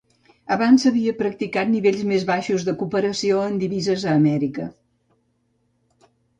Abans s'havia practicat nivells més baixos de cooperació en divises a Amèrica.